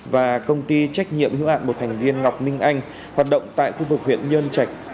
và công ty trách nhiệm hữu hạn một thành viên ngọc minh anh hoạt động tại khu vực huyện nhơn trạch